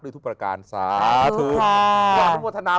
ด้วยทุกประการสาธุค่ะ